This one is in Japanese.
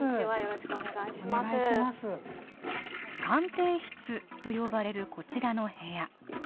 鑑定室と呼ばれるこちらの部屋